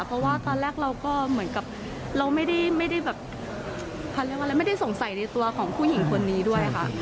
เพราะต้อนแรกเราก็ไม่ได้สงสัยในตัวคุณคนนี้ด้วยค่ะ